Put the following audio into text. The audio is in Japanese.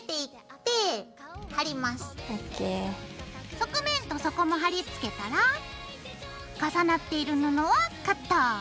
側面と底も貼り付けたら重なっている布をカット。